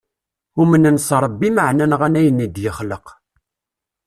Umnen s rebbi maɛna nɣan ayen id-yexleq.